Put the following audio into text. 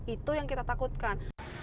itu yang kita takutkan